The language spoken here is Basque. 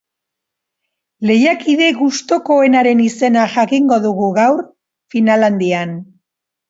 Lehiakide gustukoenaren izena jakingo dugu, gaur, final handian.